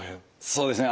そうですね。